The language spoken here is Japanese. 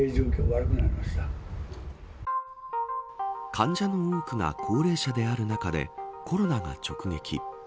患者の多くが高齢者である中でコロナが直撃。